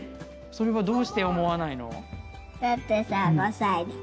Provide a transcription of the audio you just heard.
それはどうして思わないの？